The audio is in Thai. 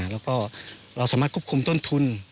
แล้วก็เราสามารถควบคุมต้นทุน